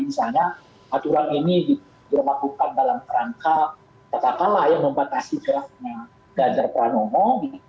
misalnya aturan ini dilakukan dalam perangkat katakanlah ya membatasi geraknya gajar pranomo